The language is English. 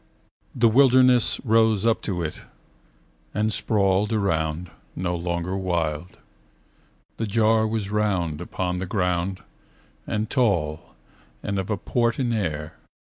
The wilderness rose up to it. And sprawled around, no longer wild. The jar was round upon the ground And tall and of a port in air.